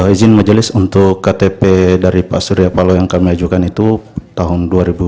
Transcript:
izin majelis untuk ktp dari pak surya paloh yang kami ajukan itu tahun dua ribu dua puluh